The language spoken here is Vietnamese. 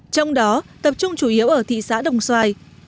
trong đó tập trung chủ yếu ở thị xã đồng xoài